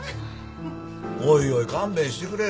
おいおい勘弁してくれよ。